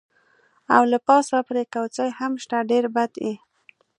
او له پاسه پرې کوسۍ هم شته، ډېر بد یې.